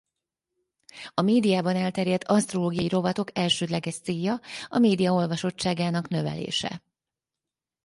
A médiában elterjedt asztrológiai rovatok elsődleges célja a média olvasottságának növelése.